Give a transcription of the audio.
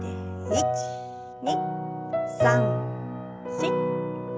１２３４。